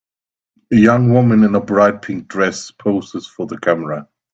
A young woman in a bright pink dress poses for the camera.